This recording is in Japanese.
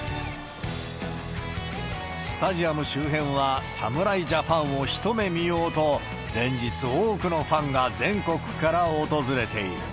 スタジアム周辺は、侍ジャパンをひと目見ようと、連日多くのファンが全国から訪れている。